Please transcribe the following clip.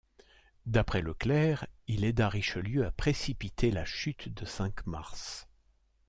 D'après Leclère, il aida Richelieu à précipiter la chute de Cinq-Mars.